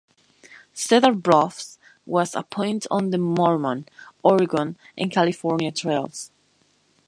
Cedar Bluffs was a point on the Mormon, Oregon, and California Trails.